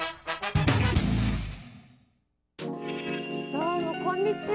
どうもこんにちは。